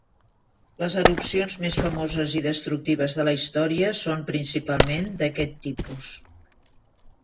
Les erupcions més famoses i destructives de la història són principalment d'aquest tipus.